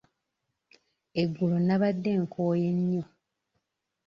Eggulo nnabadde nkooye nnyo.